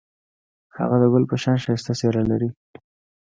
هغه د ګل په شان ښایسته څېره لري.